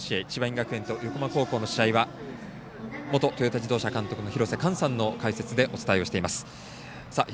学園と横浜高校の試合は元トヨタ自動車監督の廣瀬寛さんの解説でお伝えをしています。